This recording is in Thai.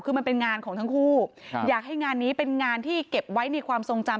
คือมันเป็นงานของทั้งคู่อยากให้งานนี้เป็นงานที่เก็บไว้ในความทรงจำ